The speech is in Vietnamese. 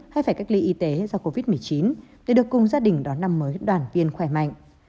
hay phải cách ly y tế do covid một mươi chín để được cùng gia đình đón năm mới đoàn viên khỏe mạnh